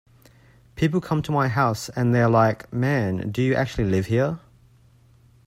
People come to my house and they're like, 'Man, do you actually live here?